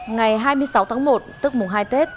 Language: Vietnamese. ngày hai mươi sáu tháng một tức hai tết